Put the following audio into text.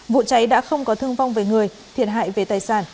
vụ cháy đã không có thương vong về người thiệt hại về tài sản